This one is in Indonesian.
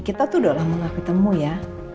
kita tuh udah lama gak ketemu ya